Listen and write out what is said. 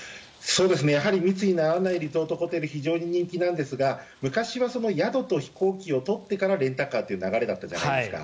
やはり密にならないリゾートホテル非常人気なんですが昔は宿と飛行機を取ってからレンタカーという流れだったじゃないですか。